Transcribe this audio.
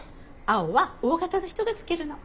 青はＯ型の人が着けるの。